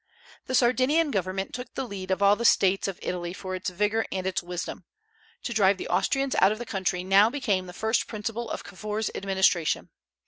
The Sardinian government took the lead of all the States of Italy for its vigor and its wisdom. To drive the Austrians out of the country now became the first principle of Cavour's administration.